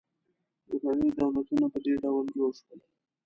لومړني دولتونه په دې ډول جوړ شول.